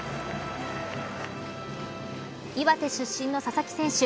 岩手出身の佐々木選手